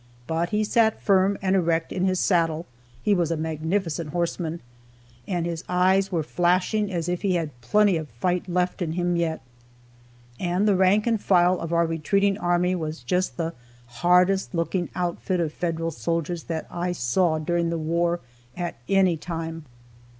But he sat firm and erect in his saddle, (he was a magnificent horseman,) and his eyes were flashing as if he had plenty of fight left in him yet. And the rank and file of our retreating army was just the hardest looking outfit of Federal soldiers that I saw during the war, at any time.